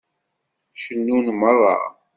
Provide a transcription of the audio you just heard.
Cennun meṛṛa.